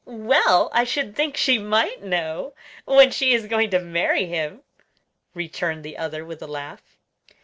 "Well, I should think she might know, when she is going to marry him," returned the other, with a laugh.